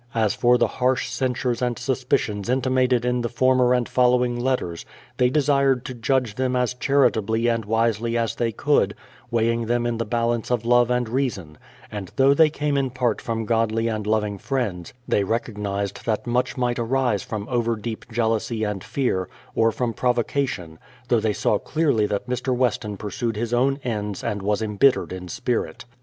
As for the harsh censures and suspicions intimated in the former and following letters, they desired to judge them as charitably and wisely as they could, weighing them in the balance of love and reason ; and though they came in part from godly and loving friends, they recognized that much might arise from over deep jealousy and fear, or from provocation, — though they saw clearly that Mr. Weston pursued his own ends and was embittered in spirit.